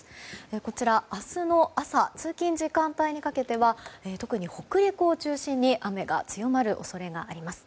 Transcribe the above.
こちら、明日の朝通勤時間帯にかけては特に北陸を中心に雨が強まる恐れがあります。